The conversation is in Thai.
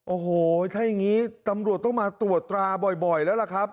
โอ้โหถ้าอย่างนี้ตำรวจต้องมาตรวจตราบ่อยแล้วล่ะครับ